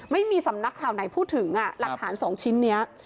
ไม่มีสำนักข่าวไหนพูดถึงหลักฐาน๒ชิ้นนี้